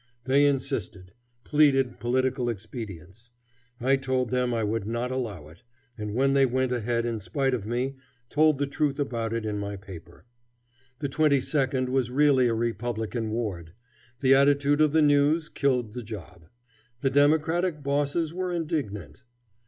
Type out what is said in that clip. They insisted; pleaded political expedience. I told them I would not allow it, and when they went ahead in spite of me, told the truth about it in my paper. The Twenty second was really a Republican ward. The attitude of the News killed the job. The Democratic bosses were indignant.